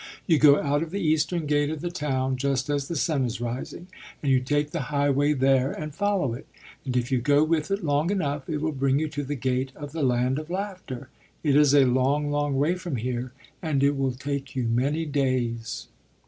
"You go out of the eastern gate of the town, just as the sun is rising; and you take the highway there, and follow it; and if you go with it long enough, it will bring you to the gate of the Land of Laughter. It is a long, long way from here; and it will take you many days."